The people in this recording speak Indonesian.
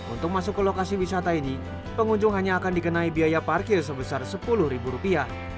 untuk masuk ke lokasi wisata ini pengunjung hanya akan dikenai biaya parkir sebesar sepuluh ribu rupiah